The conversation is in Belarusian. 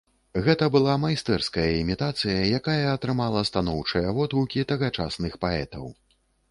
Гэта была майстэрская імітацыя, якая атрымала станоўчыя водгукі тагачасных паэтаў.